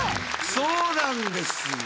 そうなんですよ。